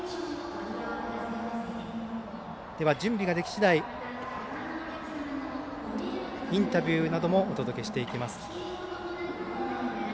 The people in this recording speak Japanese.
準備ができしだいインタビューなどもお届けしていきます。